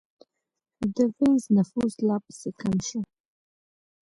د وینز نفوس لا پسې کم شو.